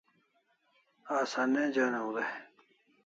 Asa ne joniu dai